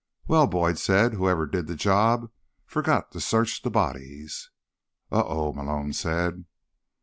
"Well," Boyd said, "whoever did the job forgot to search the bodies." "Oh oh," Malone said.